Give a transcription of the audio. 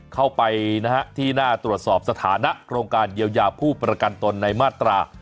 เข้าไปที่หน้าตรวจสอบสถานะโครงการเยียวยาผู้ประกันตนในมาตรา